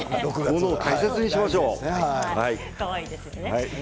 物を大切にしましょう。